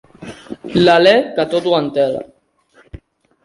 L'alè que tot ho entela.